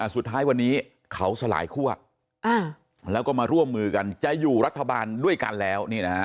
สุดท้ายวันนี้เขาสลายคั่วแล้วก็มาร่วมมือกันจะอยู่รัฐบาลด้วยกันแล้ว